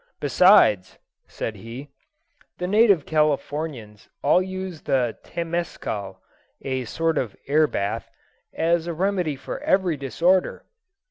Besides," said he, "the native Californians all use the Temescal (a sort of air bath) as a remedy for every disorder."